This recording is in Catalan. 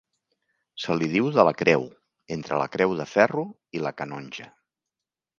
Se li diu de la Creu entre la Creu de Ferro i La Canonja.